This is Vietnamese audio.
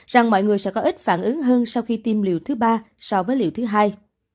rằng mọi người sẽ có ít phản ứng hơn sau khi tiêm liều thứ ba so với liều thứ hai